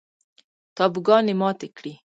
تابوگانې ماتې کړي